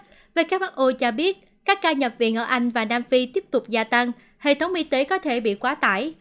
who cho biết các ca nhập viện ở anh và nam phi tiếp tục gia tăng hệ thống y tế có thể bị quá tải